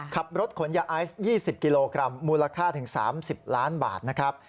ขับรถขนยาไอซ์๒๐กิโลกรัมมูลค่าถึง๓๐ล้านบาทนะครับ